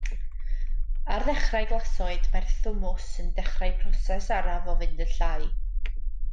Ar ddechrau glasoed mae'r thymws yn dechrau proses araf o fynd yn llai.